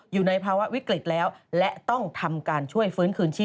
อยู่ในภาวะวิกฤตแล้วและต้องทำการช่วยฟื้นคืนชีพ